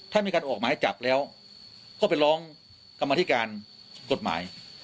ถ้ามีการออกหมายจับแล้วก็ไปร้องกรรมธิการกฎหมาย